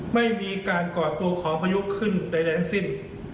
ไม่มีการก่อตัวของพายุขึ้นใดทั้งสิ้น